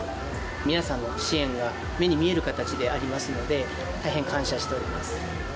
皆さんの支援が目に見える形でありますので、大変感謝しております。